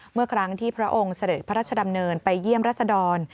เมื่อครั้งที่พระองค์เสด็จพระราชดำเนินไปเยี่ยมรัศดร